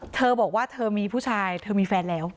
เธอบอกว่าเธอมีผู้ชายเธอมีแฟนแล้ว